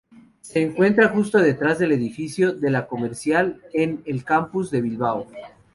Se encuentra justo detrás del edificio de "La comercial", en el Campus de Bilbao.